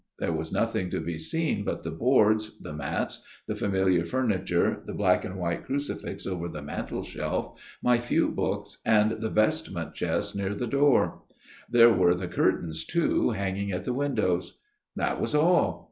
There was nothing to be seen but the boards, the mats, the familiar furniture, the black and white crucifix over the mantelshelf, my few books, and the vestment chest near the door. There were the curtains, too, hanging at the windows. That was all.